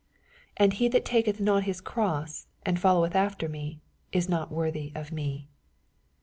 88 And he that taketh not his cross, and followeth after me, is not worthy of me.